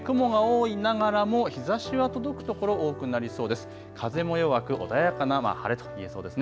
雲が多いながらも日ざしは届く所多くなりそうです。